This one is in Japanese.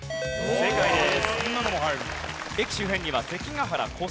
正解です。